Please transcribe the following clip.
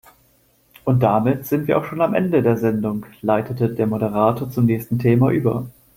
Und damit sind wir auch schon am Ende der Sendung, leitete der Moderator zum nächsten Thema über.